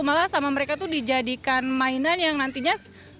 malah sama mereka tuh dijadikan mainan yang nantinya